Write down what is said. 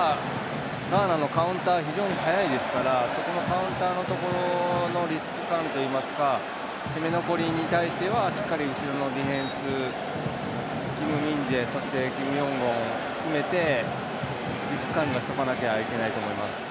ガーナのカウンター非常に速いですからそこのカウンターのところのリスク感といいますか攻め残りに対してはしっかり後ろのディフェンスキム・ミンジェキム・ヨングォン含めてリスク管理はしておかなきゃいけないと思います。